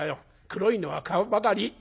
黒いのは皮ばかり！」。